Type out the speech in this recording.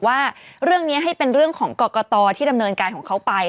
ว่าเรื่องนี้ให้เป็นเรื่องของกรกตที่ดำเนินการของเขาไป